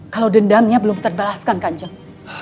kalau dendamnya belum terbalaskan kanjeng